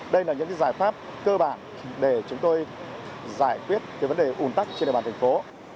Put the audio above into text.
đây là những giải pháp cơ bản để chúng tôi giải quyết vấn đề ủn tắc trên địa bàn thành phố